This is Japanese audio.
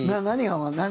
何？